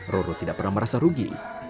roro tidak pernah merasa rugi